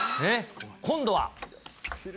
今度は。